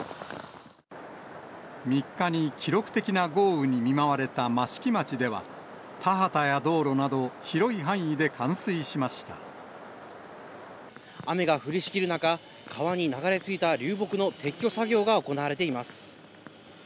３日に記録的な豪雨に見舞われた益城町では、田畑や道路など、雨が降りしきる中、川に流れ着いた流木の撤去作業が行われています。